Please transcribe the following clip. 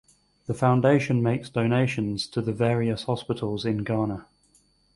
The foundation makes donations to the various hospitals in Ghana.